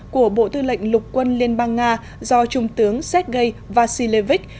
của bộ tư lệnh lục quân liên bang nga do trung tướng sergei vacilevich